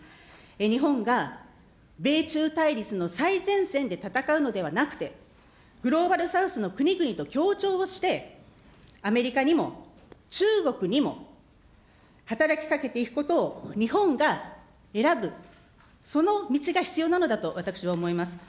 日本が米中対立の最前線で戦うのではなくて、グローバル・サウスの国々と協調をして、アメリカにも中国にも、働きかけていくことを日本が選ぶ、その道が必要なのだと私は思います。